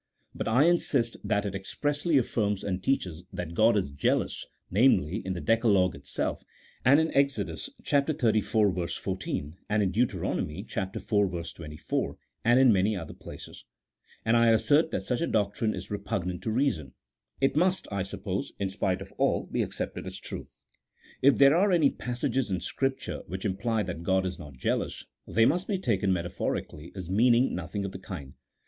But I insist that it expressly affirms and teaches that God is jealous (namely, in the decalogue itself, and in Exod. xxxiv. 14, and in Deut. iv. 24, and in many other places), and I assert that such a doctrine is repugnant to reason. It must, I suppose, in spite of all, be accepted as true. If there are any passages in Scripture which imply that God is not jealous, they must be taken metaphorically as meaning nothing of the kind.